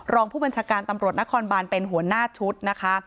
รองผู้บัญชาการตำรวจนครบานเป็นหัวหน้าชุดนะคะ